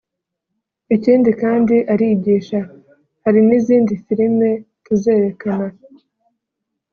ikindi kandi irigisha […] hari n’izindi filime tuzerekana